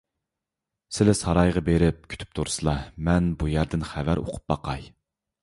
سىلى سارايغا بېرىپ كۈتۈپ تۇرسىلا، مەن بۇ يەردىن خەۋەر ئۇقۇپ باراي.